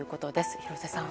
廣瀬さん。